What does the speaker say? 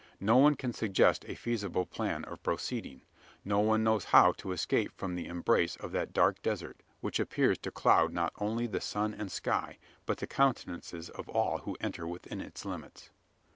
No one can suggest a feasible plan of proceeding. No one knows how to escape from the embrace of that dark desert, which appears to cloud not only the sun and sky, but the countenances of all who enter within its limits.